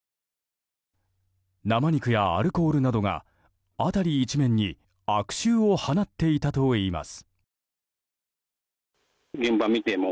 生肉やアルコールなどが辺り一面に悪臭を放っていたといいます。